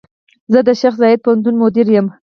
زۀ د شيخ زايد پوهنتون مدير يم.